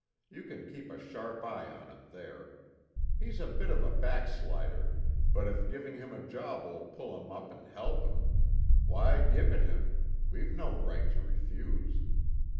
You can keep a sharp eye on him there. He's a bit of a backslider, but if giving him a job'll pull him up and help him, why, give it him. We've no right to refuse."